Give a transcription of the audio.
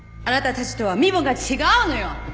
あなたたちとは身分が違うのよ。